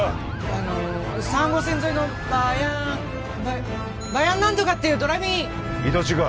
あの３号線沿いのバヤンバヤバヤンなんとかっていうドライブイン移動中か？